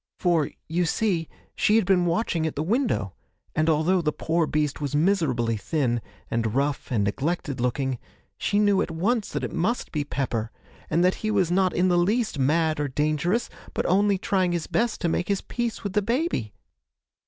For, you see, she had been watching at the window, and although the poor beast was miserably thin, and rough, and neglected looking, she knew at once that it must be Pepper, and that he was not in the least mad or dangerous, but only trying his best to make his peace with the baby.